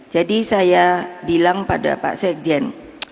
jadi saya bilang pada pak sekjen